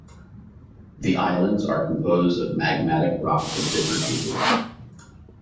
The islands are composed of magmatic rocks of different ages.